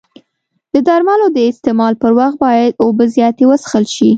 د درملو د استعمال پر وخت باید اوبه زیاتې وڅښل شي.